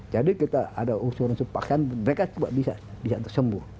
jadi kita ada usul usul paksaan mereka juga bisa tersembuh